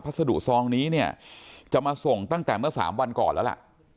สะดุซองนี้เนี่ยจะมาส่งตั้งแต่เมื่อ๓วันก่อนแล้วล่ะ